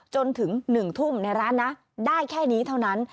จนถึง๑ทุ่มในร้านนะได้แค่นี้เท่านั้น